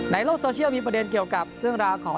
ในโลกโซเชียลมีประเด็นเกี่ยวกับเรื่องราวของ